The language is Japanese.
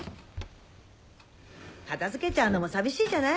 片付けちゃうのも寂しいじゃない？